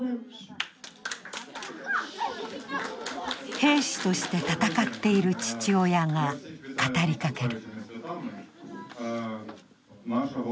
兵士として戦っている父親が語りかける。